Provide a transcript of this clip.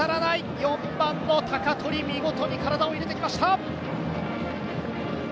４番の鷹取、見事に体を入れてきました。